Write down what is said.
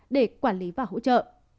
để quản lý và hỗ trợ